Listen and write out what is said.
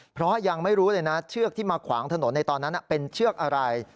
เพราะยังไม่รู้เลยนะเชือกที่มาขวางถนนในตอนนั้นเป็นเชือกอะไร